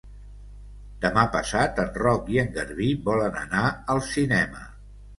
Demà passat en Roc i en Garbí volen anar al cinema.